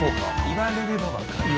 言われれば分かる。